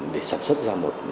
để sản xuất ra một